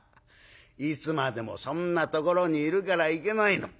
いつまでもそんなところにいるからいけないの。